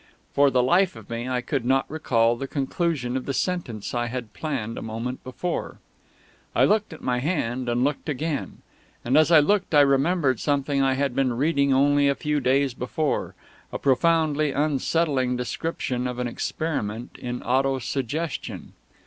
For the life of me I could not recall the conclusion of the sentence I had planned a moment before. I looked at my hand, and looked again; and as I looked I remembered something I had been reading only a few days before a profoundly unsettling description of an experiment in auto suggestion.